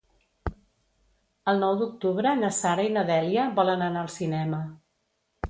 El nou d'octubre na Sara i na Dèlia volen anar al cinema.